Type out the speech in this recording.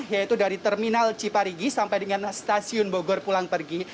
yaitu dari terminal ciparigi sampai dengan stasiun bogor pulang pergi